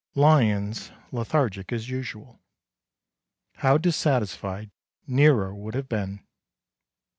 Lions lethargic as usual. How dissatisfied Nero would have been!